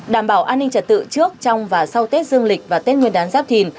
đảm bảo an ninh trật tự trước trong và sau tết dương lịch và tết nguyên đán giáp thìn